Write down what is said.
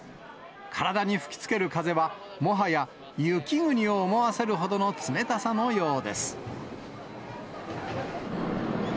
体に吹きつける風は、もはや雪国を思わせるほどの冷たさのようです。